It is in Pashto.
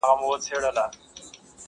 هم پخپله څاه کینو هم پکښي لوېږو؛